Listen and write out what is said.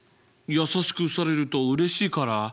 優しくされるとうれしいから。